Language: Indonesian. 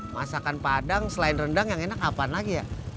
masakan padang selain rendang yang enak kapan lagi ya